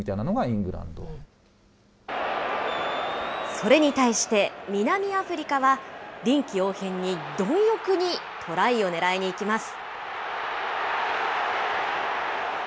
それに対して、南アフリカは、臨機応変に貪欲にトライを狙いにいきます。